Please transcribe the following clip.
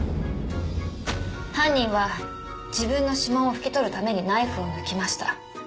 犯人は自分の指紋を拭き取るためにナイフを抜きました。